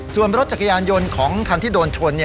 ส่วนรถจักรยานยนต์ของคันที่โดนชน